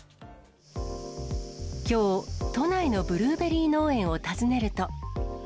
きょう、都内のブルーベリー農園を訪ねると。